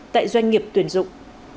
tại doanh nghiệp tuyển dụng